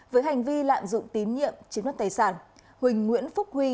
với hành vi lạm dụng tín nhiệm chiếm đất tài sản huỳnh nguyễn phúc huy